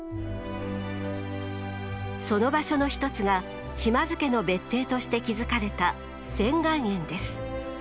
その場所の一つが島津家の別邸として築かれた仙巌園です。